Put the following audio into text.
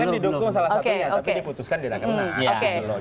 klaim didukung salah satunya tapi diputuskan di rangka kemenangan